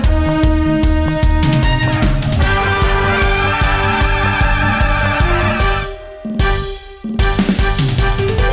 สวัสดีค่ะ